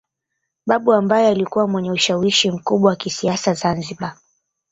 Babu ambaye alikuwa mwenye ushawishi mkubwa wa kisiasa Zanzibar